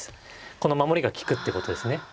この守りが利くってことですね。